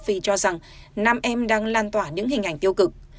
nhiều người cho rằng nam em đang lan tỏa những hình ảnh tiêu cực